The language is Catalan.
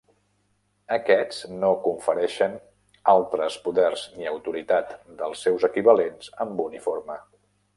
Aquests no confereixen altres poders ni autoritat dels seus equivalents amb uniforme.